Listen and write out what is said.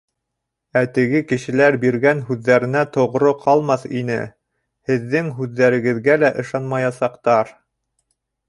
Ә теге кешеләр биргән һүҙҙәренә тоғро ҡалмаҫ ине. һеҙҙең һүҙҙәрегеҙгә лә ышанмаясаҡтар.